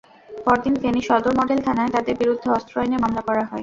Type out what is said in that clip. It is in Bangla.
পরদিন ফেনী সদর মডেল থানায় তাঁদের বিরুদ্ধে অস্ত্র আইনে মামলা করা হয়।